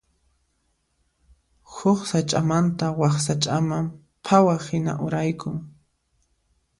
Huk sach'amanta wak sach'aman phawaqhina uraykun.